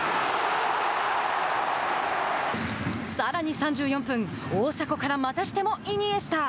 さらに３４分、大迫からまたしてもイニエスタ。